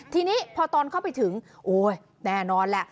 ทีนี้พอตอนเข้าไปถึงโอ๊ยแน่นอนแหละ